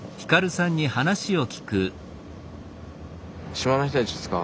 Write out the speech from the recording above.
島の人たちですか？